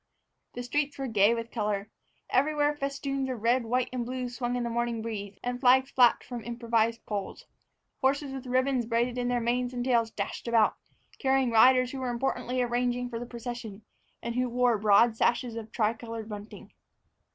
The streets were gay with color. Everywhere festoons of red, white, and blue swung in the morning breeze, and flags flapped from improvised poles. Horses with ribbons braided into their manes and tails dashed about, carrying riders who were importantly arranging for the procession, and who wore broad sashes of tricolored bunting.